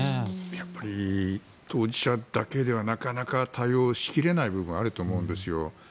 やっぱり当事者だけではなかなか対応しきれない部分があると思うんですよ。